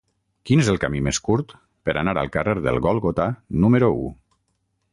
Quin és el camí més curt per anar al carrer del Gòlgota número u?